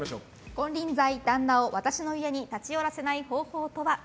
金輪際、旦那を私の家に立ち寄らせない方法とは？